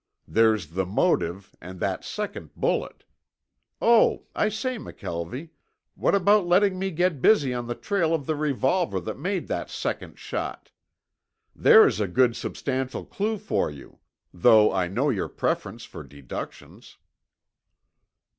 There's the motive and that second bullet. Oh, I say, McKelvie, what about letting me get busy on the trail of the revolver that made that second shot? There's a good substantial clue for you, though I know your preference for deductions."